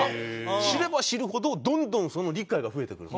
知れば知るほどどんどんその理解が増えてくるんですね。